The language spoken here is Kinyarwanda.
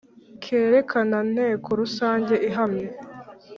kerekana nteko rusange ihamye